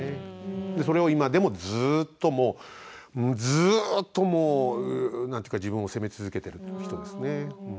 それを今でもずっと自分を責め続けている人ですね。